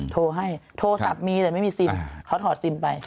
โทรให้โทรศัพท์มีแต่ไม่มีซิมเขาถอดซิมไป